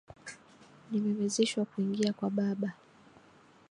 Nimewezeshwa kuingia kwa baba.